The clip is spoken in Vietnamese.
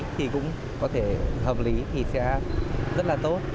thì cũng có thể hợp lý thì sẽ rất là tốt